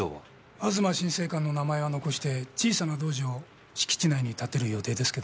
吾妻心聖館の名前は残して小さな道場を敷地内に建てる予定ですけどね。